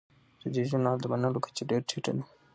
د دې ژورنال د منلو کچه ډیره ټیټه ده.